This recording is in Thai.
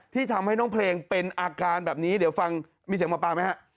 ที่ทำให้น้องเพลงเป็นอาการแบบนี้เดี๋ยวฟังมีเสียงหมอปลาไหมฮะ